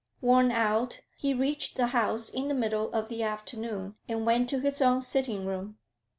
Worn out, he reached the house in the middle of the afternoon, and went to his own sitting room.